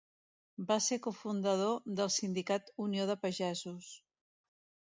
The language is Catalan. Va ser cofundador del sindicat Unió de Pagesos.